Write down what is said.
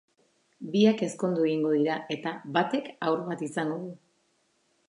Biak ezkondu egingo dira, eta batek haur bat izango du.